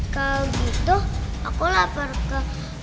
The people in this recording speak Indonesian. kalau gitu aku lapor ke